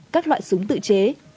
các loại súng tự chế